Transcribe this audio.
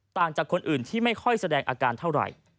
ต่างจากคนอื่นที่ไม่ค่อยแสดงอาการเท่าไหร่